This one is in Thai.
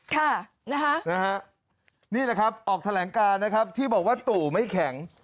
ค่ะนะฮะนี่แหละครับออกแถลงการนะครับที่บอกว่าตู่ไม่แข็ง